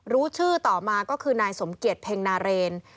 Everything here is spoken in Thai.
รู้ชื่อต่อมาก็คือนายสมเกียจเพ็งนาเรน